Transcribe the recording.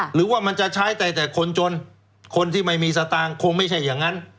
หรือว่ามันจะใช้แต่คนจนคนที่ไม่มีสตางค์คงไม่ใช่อย่างนั้น